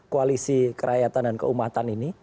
koalisi kerakyatan dan keumatan ini